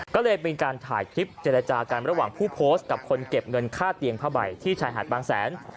ก็เลยเป็นการถ่ายคลิปเจรจากันระหว่างผู้โพสต์กับคนเก็บเงินค่าเตียงผ้าใบที่ชายหาดบางแสน